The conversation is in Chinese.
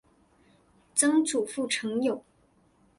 曾祖父陈友。